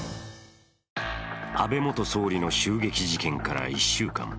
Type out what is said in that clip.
安倍元総理の襲撃事件から１週間。